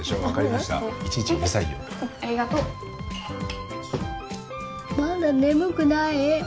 まだ眠くない。